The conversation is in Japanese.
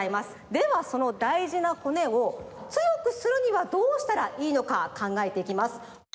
ではそのだいじな骨をつよくするにはどうしたらいいのかかんがえていきます。